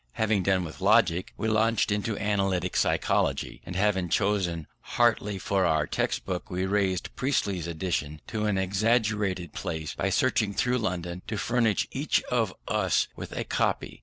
Having done with Logic, we launched into Analytic Psychology, and having chosen Hartley for our text book, we raised Priestley's edition to an extravagant price by searching through London to furnish each of us with a copy.